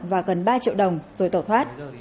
và gần ba triệu đồng rồi tỏ thoát